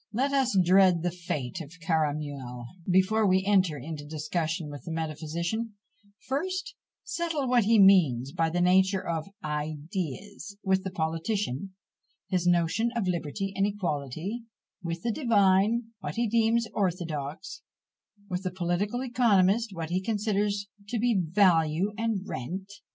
Let us dread the fate of Caramuel! and before we enter into discussion with the metaphysician, first settle what he means by the nature of ideas; with the politician, his notion of liberty and equality; with the divine, what he deems orthodox; with the political economist, what he considers to be value and rent!